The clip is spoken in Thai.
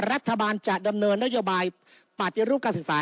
รัฐบาลจะดำเนินนโยบายปฏิรูปการศึกษา